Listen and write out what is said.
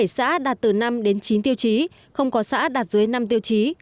sáu mươi bảy xã đạt từ năm đến chín tiêu chí không có xã đạt dưới năm tiêu chí